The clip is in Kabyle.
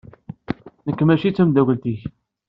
Nekk mačči d tamdakelt-ik.